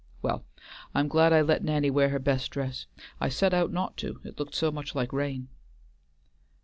Well I'm glad I let Nanny wear her best dress; I set out not to, it looked so much like rain."